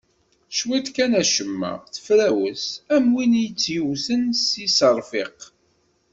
Cwiṭ kan acemma, tefrawes, am win itt-yewten s yiṣerfiq.